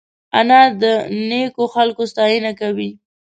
انا د نیکو خلکو ستاینه کوي